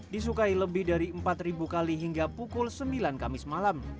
disukai lebih dari empat kali hingga pukul sembilan kamis malam